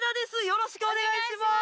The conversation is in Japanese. よろしくお願いします。